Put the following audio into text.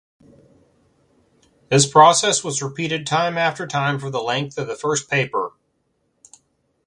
This process was repeated time after time for the length of the first paper.